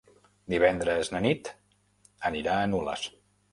Divendres na Nit anirà a Nules.